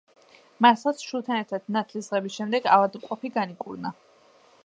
მართლაც შვილთან ერთად ნათლისღების შემდეგ ავადმყოფი განიკურნა.